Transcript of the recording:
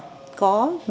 thì mình sẽ có thể